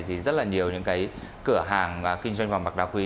thì rất là nhiều những cái cửa hàng và kinh doanh và mặc đặc huy